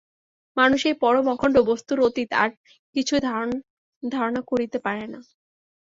মানুষ এই পরম অখণ্ড বস্তুর অতীত আর কিছুই ধারণা করিতে পারে না।